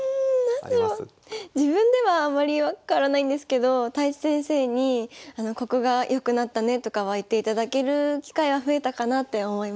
自分ではあまり分からないんですけど太地先生にここが良くなったねとかは言っていただける機会は増えたかなって思います。